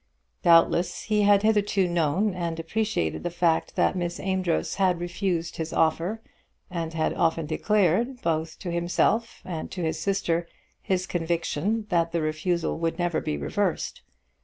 Doubtless he had hitherto known and appreciated the fact that Miss Amedroz had refused his offer, and had often declared, both to himself and to his sister, his conviction that that refusal would never be reversed.